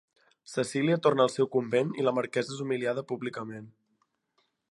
Cecília torna al seu convent i la marquesa és humiliada públicament.